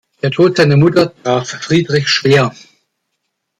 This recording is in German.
Der Tod seiner Mutter traf Friedrich schwer.